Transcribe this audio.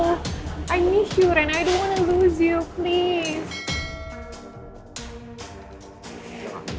aku rindu kamu rayan aku gak mau kalahkan kamu tolonglah